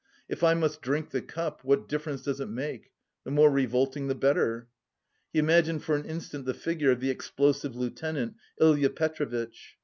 "If I must drink the cup what difference does it make? The more revolting the better." He imagined for an instant the figure of the "explosive lieutenant," Ilya Petrovitch.